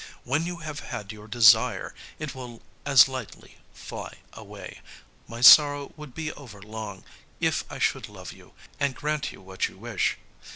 When you have had your desire, it will as lightly fly away. My sorrow would be overlong, if I should love you, and grant you what you wish.